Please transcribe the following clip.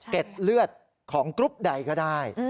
เลือดของกรุ๊ปใดก็ได้